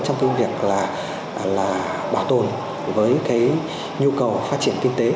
trong cái việc là bảo tồn với cái nhu cầu phát triển kinh tế